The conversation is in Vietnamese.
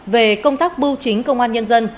về công tác bưu chính công an nhân dân